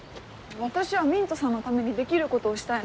私はミントさんのためにできることをしたいの。